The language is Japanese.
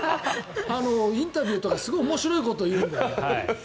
インタビューとかすごい面白いこと言うんですよね。